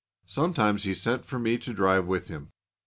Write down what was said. Sometimes he sent for me to drive with him.